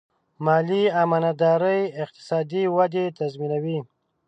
مالي امانتداري اقتصادي ودې تضمینوي.